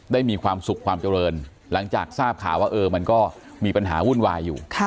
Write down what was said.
มีความสุขความเจริญหลังจากทราบข่าวว่ามันก็มีปัญหาวุ่นวายอยู่